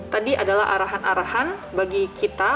tadi adalah arahan arahan bagi kita